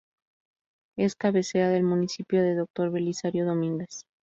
Es cabecera del municipio de Dr. Belisario Domínguez.